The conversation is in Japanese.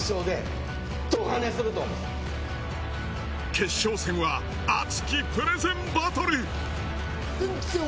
決勝戦は熱きプレゼンバトル！